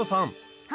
はい。